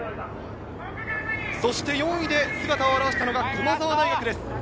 そして４位で姿を現したのは駒澤大学です。